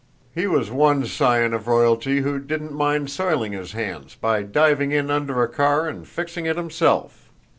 He was one scion of royalty who didn't mind soiling his hands by diving in under a car and fixing it himself.